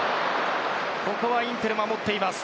ここはインテル、守っています。